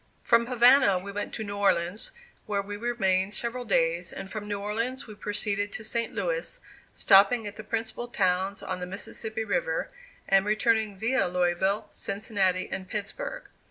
From Havana we went to New Orleans, where we remained several days, and from New Orleans we proceeded to St. Louis, stopping at the principal towns on the Mississippi river, and returning via Louisville, Cincinnati, and Pittsburgh.